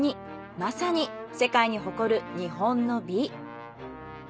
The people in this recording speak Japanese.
まさに世界に誇る日本の美。